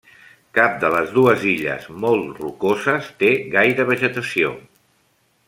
Cap de les dues illes, molt rocoses, té gaire vegetació.